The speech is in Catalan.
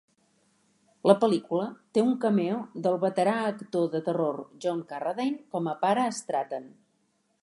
La pel·lícula té un cameo del veterà actor de terror John Carradine com a pare Stratten.